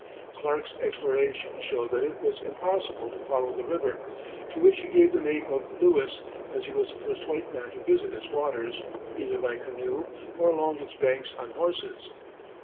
Clark's explorations showed that it was impossible to follow the river, to which he gave the name of Lewis, as he was the first white man to visit its waters, either by canoe or along its banks on horses.